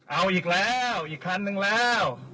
เอาอีกแล้วอีกคันนึงแล้ว